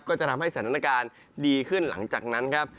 ก็จะทำให้สถานการณ์ดีขึ้นหลังจากนั้นครับ